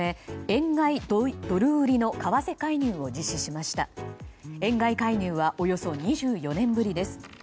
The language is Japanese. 円買い介入はおよそ２４年ぶりです。